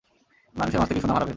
মানুষের মাঝ থেকে সুনাম হারাবেন।